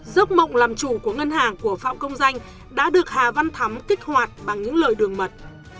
giấc mộng làm chủ của ngân hàng của phạm công danh đã được hà văn thắm kích hoạt bằng những lời đường mật